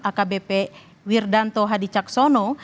akbp wirdanto hadi caksono